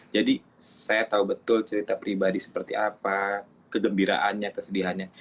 jadi saya tahu betul cerita pribadi seperti apa kegembiraannya kesedihannya